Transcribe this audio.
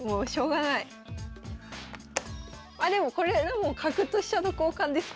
あでもこれでも角と飛車の交換ですか。